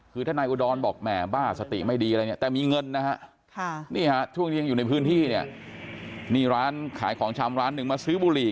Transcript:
คือท่านนายอุดรบอกแหม่บ้าสติไม่ดีอะไรอย่างนี้